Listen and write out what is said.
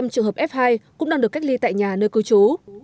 bảy trăm một mươi năm trường hợp f hai cũng đang được cách ly tại nhà nơi cư trú